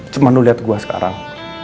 cuman lu liat gue sekarang